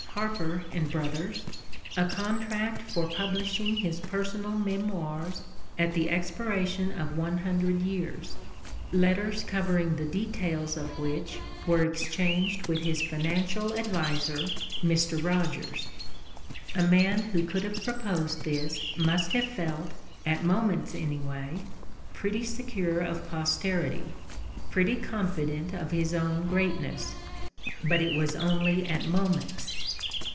Harper and Brothers a contract for publishing his personal memoirs at the expiration of one hundred years, letters covering the details of which were exchanged with his financial ad viser, Mr. Rogers. A man who could have proposed this must have felt, at moments anyway, pretty secure of posterity, pretty confident of his own greatness. But it was only at moments.